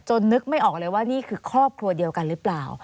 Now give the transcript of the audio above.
นึกไม่ออกเลยว่านี่คือครอบครัวเดียวกันหรือเปล่า